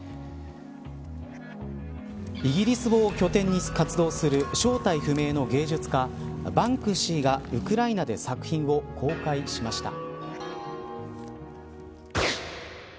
イギリスを拠点に活動する正体不明の芸術家バンクシーがウクライナで作品を公開しました。